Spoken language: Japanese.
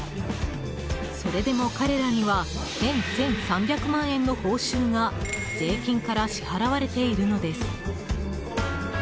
それでも彼らには年１３００万円の報酬が税金から支払われているのです。